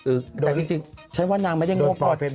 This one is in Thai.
เออแต่จริงฉันว่านางไม่ได้งบพอด